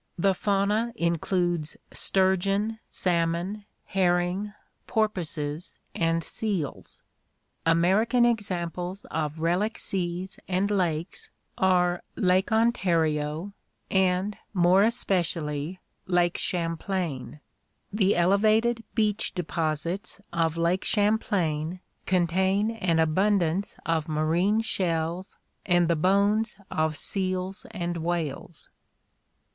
The fauna includes sturgeon, salmon, herring, porpoises, and seals. American examples of relic seas and lakes are Lake Ontario and more especially Lake Champlain. The elevated beach deposits of Lake Champlain contain an abundance of marine shells and the bones of seals and whales.